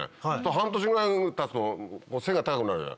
半年ぐらいたつと背が高くなるじゃない。